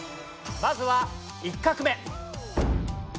まずは１画目。